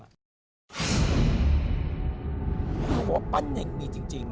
หัวปั้นเน็กมีจริง